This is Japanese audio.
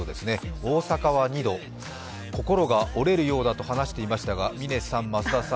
大阪は２度、心が折れるようだと話していましたが嶺さん、増田さん